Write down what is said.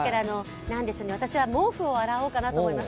私は毛布を洗おうかなと思います。